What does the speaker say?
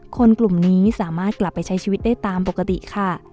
คนกลุ่มนี้สามารถกลับไปใช้ชีวิตได้ตามปกติค่ะ